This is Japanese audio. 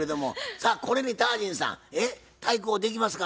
さあこれにタージンさん対抗できますか？